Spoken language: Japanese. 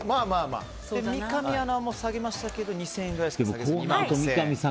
三上アナも下げましたけど２０００円くらいしか下げずに。